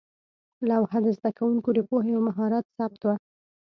لوحه د زده کوونکو د پوهې او مهارت ثبت وه.